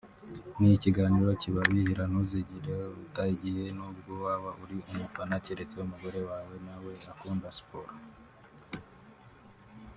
ni ikiganiro kibabihira ntuzigere uta igihe n’ubwo waba uri umufana keretse umugore wawe nawe akunda siporo